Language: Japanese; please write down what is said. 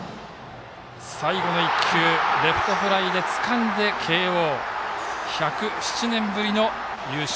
最後の１球レフトフライでつかんで慶応、１０７年ぶりの優勝。